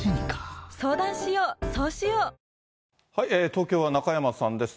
東京は中山さんです。